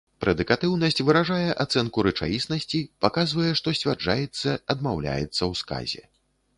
Прэдыкатыўнасць выражае ацэнку рэчаіснасці, паказвае, што сцвярджаецца адмаўляецца ў сказе.